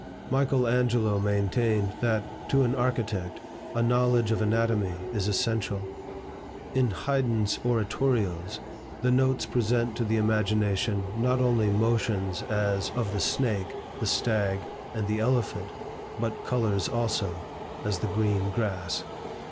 Michael Angelo maintained, that, to an architect, a knowledge of anatomy is essential. In Haydn's oratorios, the notes present to the imagination not only motions, as, of the snake, the stag, and the elephant, but colors also; as the green grass.